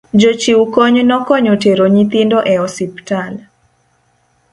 jochiw kony nokonyo tero nyithindo e ospital